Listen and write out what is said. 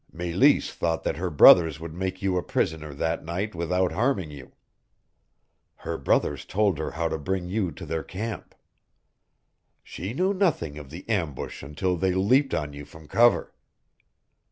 Meleese thought that her brothers would make you a prisoner that night without harming you. Her brothers told her how to bring you to their camp. She knew nothing of the ambush until they leaped on you from cover.